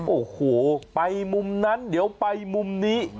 โอ้โหไปมุมนั้นเดี๋ยวไปมุมนี้